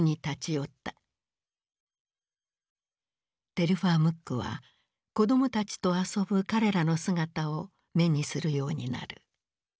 テルファー・ムックは子供たちと遊ぶ彼らの姿を目にするようになる。